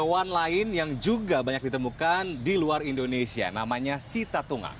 hewan lain yang juga banyak ditemukan di luar indonesia namanya sitatunga